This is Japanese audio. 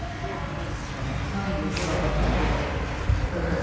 まあ１３５だとちょっといっぱいいっぱいかな